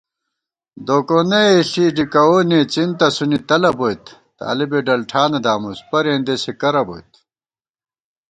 دوکونَےݪی ڈِکَوونےڅِن تسُونی تلَہ بوئیت * طالِبےڈلٹھانہ دامُس پر اېندېسےکرہ بوت